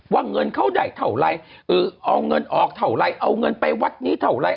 เงินเขาได้เท่าไรเอาเงินออกเท่าไรเอาเงินไปวัดนี้เท่าไร